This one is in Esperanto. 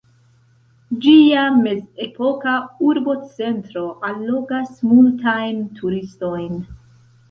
Ĝia mezepoka urbocentro allogas multajn turistojn.